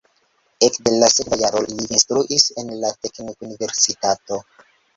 Ekde la sekva jaro li instruis en la teknikuniversitato.